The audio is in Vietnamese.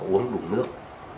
uống đủ nước